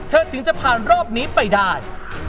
ถึงจะผ่านรอบนี้ไปได้